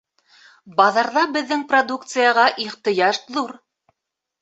— Баҙарҙа беҙҙең продукцияға ихтыяж ҙур.